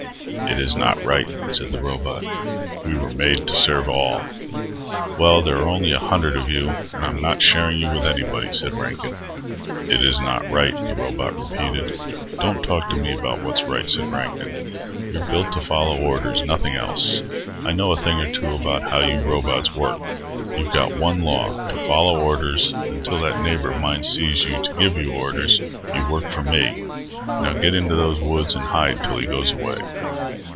"It is not right," said the robot. "We were made to serve all." "Well, there are only a hundred of you, and I'm not sharing you with anybody," said Rankin. "It is not right," the robot repeated. "Don't talk to me about what's right," said Rankin. "You're built to follow orders, nothing else. I know a thing or two about how you robots work. You've got one law, to follow orders, and until that neighbor of mine sees you to give you orders, you work for me. Now get into those woods and hide till he goes away."